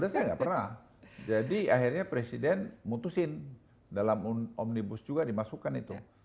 saya nggak pernah jadi akhirnya presiden mutusin dalam omnibus juga dimasukkan itu